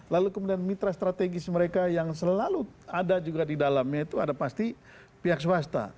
lalu kemudian mitra strategis mereka yang selalu ada juga di dalamnya itu ada pasti pihak swasta